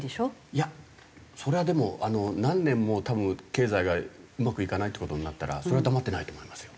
いやそれはでもあの何年も多分経済がうまくいかないって事になったらそれは黙ってないと思いますよ。